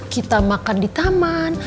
kita makan di taman